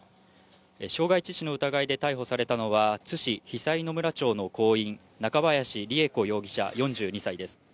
傷害致死の疑いで逮捕されたのは、津市久居野村町の工員、中林りゑ子容疑者４２歳です。